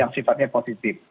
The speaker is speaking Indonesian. yang sifatnya positif